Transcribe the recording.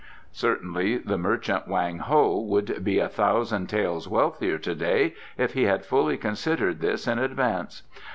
Certainly the merchant Wang Ho would be a thousand taels wealthier to day if he had fully considered this in advance.